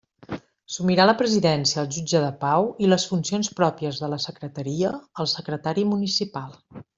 Assumirà la presidència el jutge de pau, i les funcions pròpies de la secretaria, el secretari municipal.